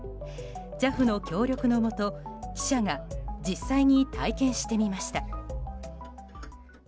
ＪＡＦの協力のもと記者が実際に体験してみました。